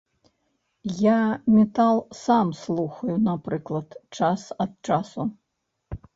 Я метал сам слухаю, напрыклад, час ад часу.